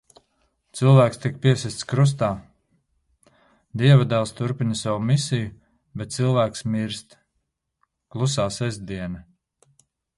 Cilvēks tiek piesists krustā. Dieva dēls turpina savu misiju, bet cilvēks mirst. Klusā sestdiena.